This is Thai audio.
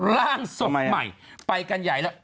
ร่างทรงใหม่ไปกันใหญ่แล้ว